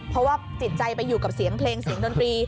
เพราะว่าจิตใจไปอยู่กับเสียงเพลงเสียงดนตรี